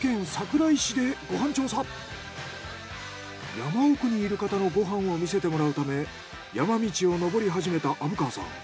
山奥にいる方のご飯を見せてもらうため山道を登り始めた虻川さん。